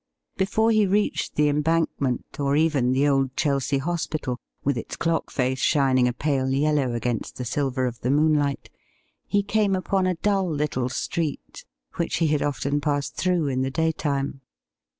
Before he reached the Embankment, or even the old Chelsea Hospital, with its clock face shining a pale yellow against the silver of the moonlight, he came upon a dull little street, which he had often passed through in the daytime.